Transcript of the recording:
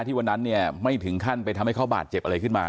วันนั้นเนี่ยไม่ถึงขั้นไปทำให้เขาบาดเจ็บอะไรขึ้นมา